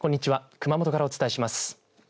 熊本からお伝えします。